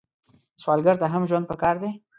سوالګر ته هم ژوند پکار دی